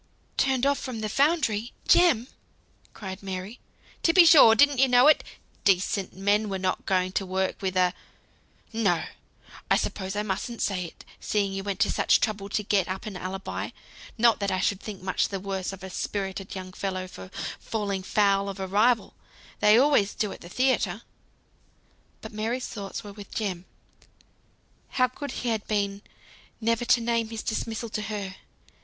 "Turned off from the foundry! Jem?" cried Mary. "To be sure! didn't you know it? Decent men were not going to work with a no! I suppose I mustn't say it, seeing you went to such trouble to get up an alibi; not that I should think much the worse of a spirited young fellow for falling foul of a rival, they always do at the theatre." But Mary's thoughts were with Jem. How good he had been never to name his dismissal to her.